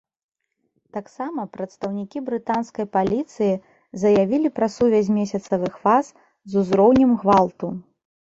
Таксама прадстаўнікі брытанскай паліцыі заявілі пра сувязь месяцавых фаз з узроўнем гвалту.